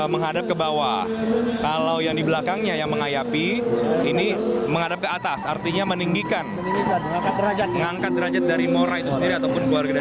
terhadap sebuah kemampuan yang berharga dan berharga yang berharga yang berharga yang berharga